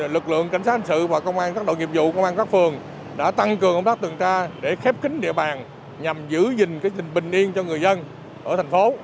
lực lượng cảnh sát hành sự và công an các đội nghiệp vụ công an các phường đã tăng cường công tác tuần tra để khép kính địa bàn nhằm giữ gìn bình yên cho người dân ở thành phố